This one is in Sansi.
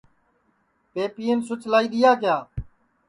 پئپین سُچ لائی دؔیا کیا